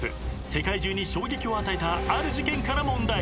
世界中に衝撃を与えたある事件から問題］